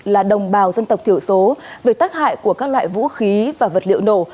là đồng bào dân tộc thiểu số về tác hại của các loại vũ khí và vật liệu nổ